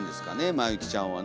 まゆきちゃんはね。